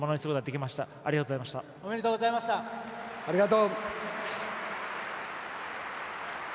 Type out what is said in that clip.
ありがとう！